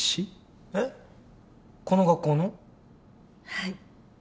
はい。